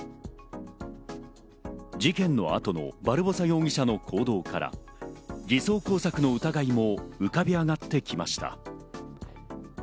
事件の後のバルボサ容疑者の行動から偽装工作の疑いも浮かび上がってきました。